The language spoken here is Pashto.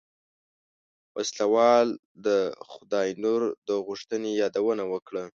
وسله وال د خداينور د غوښتنې يادونه وکړه.